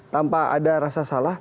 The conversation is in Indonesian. tanpa ada rasa salah